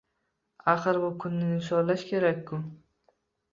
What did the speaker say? Axir bu kunni nishonlash kerak-ku